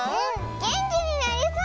げんきになりそう！